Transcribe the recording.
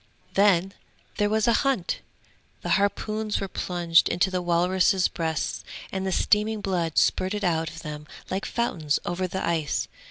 'Then there was a hunt! The harpoons were plunged into the walruses' breasts, and the steaming blood spurted out of them like fountains over the ice.